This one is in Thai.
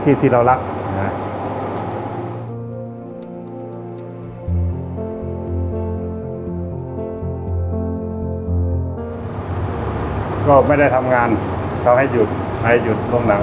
สวัสดีครับผมชื่อสามารถชานุบาลชื่อเล่นว่าขิงถ่ายหนังสุ่นแห่ง